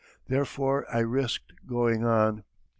Therefore I risked going on.